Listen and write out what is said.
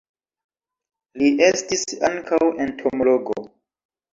Li estis ankaŭ entomologo.